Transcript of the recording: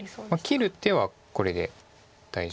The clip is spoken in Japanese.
切る手はこれで大丈夫ですけど。